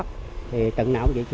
thì tuần nào cũng vậy